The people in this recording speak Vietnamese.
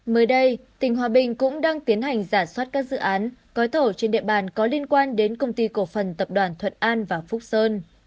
mới đây tỉnh hòa bình cũng đang tiến hành giả soát các dự án gói thầu trên địa bàn có liên quan đến công ty cổ phần tập đoàn thuận an và phúc sơn